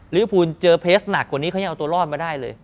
ภูลเจอเพจหนักกว่านี้เขายังเอาตัวรอดมาได้เลย